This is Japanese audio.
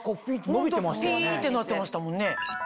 ピンってなってましたもんね。